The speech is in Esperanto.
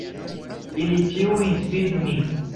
Ili ĉiuj inspiris min.